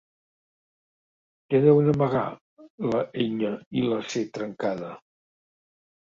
¿Què deuen amagar la enya i la ce trencada?